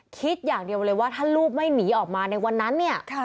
คิดอย่างเดียวเลยว่าถ้าลูกไม่หนีออกมาในวันนั้นเนี่ย